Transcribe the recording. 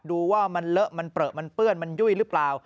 ดูว่ามันเลอะมันเปลือมันเปื้อนมันยุ่ยหรือเปล่า